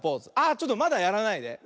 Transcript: あちょっとまだやらないで。